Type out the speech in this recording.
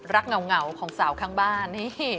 รักเงาของสาวข้างบ้าน